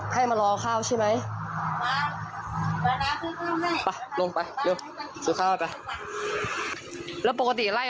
ให้มารอข้าวใช่มั้ยมาลงไปเร็วซื้อข้าวออกไปแล้วปกติไหล่ออก